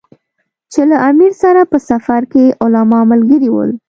چې له امیر سره په سفر کې علما ملګري ول.